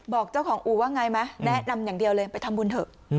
บอกเจ้าของอู่ว่าไงไหมแนะนำอย่างเดียวเลยไปทำบุญเถอะ